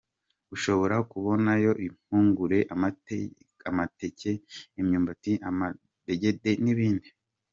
Ushobora kubonayo impungure, amateke, imyumbati amadegede n’ibindi.